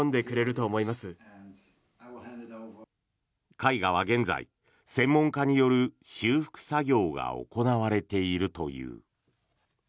絵画は現在、専門家による修復作業が行われているという。